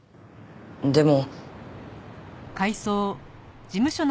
でも。